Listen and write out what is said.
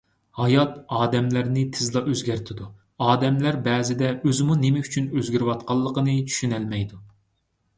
ھايات ئادەملەرنى تېزلا ئۆزگەرتىدۇ، ئادەملەر بەزىدە ئۆزىمۇ نېمە ئۈچۈن ئۆزگىرىۋاتقانلىقىنى چۈشىنەلمەيدۇ.